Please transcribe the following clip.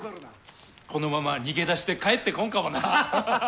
このまま逃げ出して帰ってこんかもな。